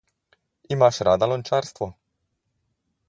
Imaš rada lončarstvo?